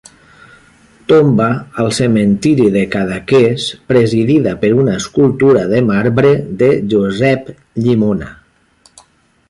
Tomba al cementiri de Cadaqués presidida per una escultura de marbre de Josep Llimona.